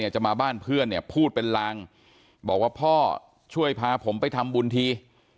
จะมาบ้านเพื่อนเนี่ยพูดเป็นลางบอกว่าพ่อช่วยพาผมไปทำบุญที